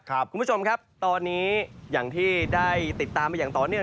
คุณผู้ชมครับตอนนี้อย่างที่ได้ติดตามมาอย่างต่อเนื่อง